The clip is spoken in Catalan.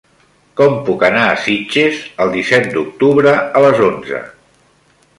Com puc anar a Sitges el disset d'octubre a les onze?